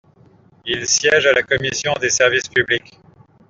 Il siège à la commission des Services publics.